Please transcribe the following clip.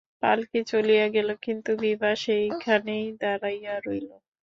পালকি চলিয়া গেল, কিন্তু বিভা সেইখানে দাঁড়াইয়া রহিল।